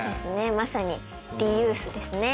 まさにリユースですね。